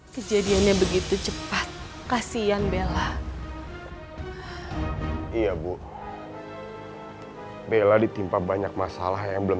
kejadiannya begitu cepat kasihan bella iya bu bella ditimpa banyak masalah yang belum